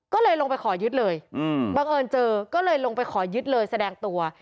ก็เลยลงไปขอยึดเลยบังเอิญเจอก็เลยลงไปขอยึดเลยแสดงตัว